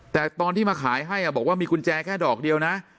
แต่ตอนที่มาขายให้บอกว่ามีกุญแจแค่ดอกเดียวนะ